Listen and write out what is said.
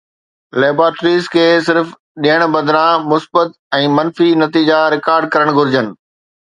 laboratories کي صرف ڏيڻ بدران مثبت ۽ منفي نتيجا رڪارڊ ڪرڻ گهرجن